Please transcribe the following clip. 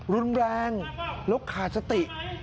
รุนแรงลกขาดสติ